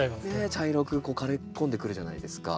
茶色く枯れ込んでくるじゃないですか。